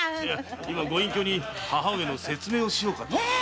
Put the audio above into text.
今御隠居に母上の説明をしようと。